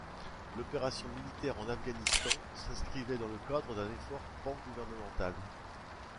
L'opération militaire en Afghanistan s'inscrivait dans le cadre d'un effort pangouvernemental.